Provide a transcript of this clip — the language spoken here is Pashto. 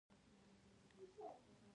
غږ په خالي فضا کې نه خپرېږي.